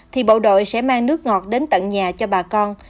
thì bộ đội sẽ mang nước ngọt đến tận nhà cho bà con